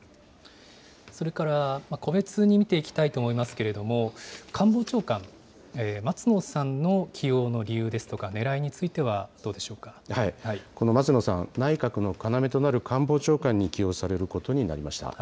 それから、個別に見ていきたいと思いますけれども、官房長官、松野さんの起用の理由ですとか、ねらいについては、この松野さん、内閣の要となる官房長官に起用されることになりました。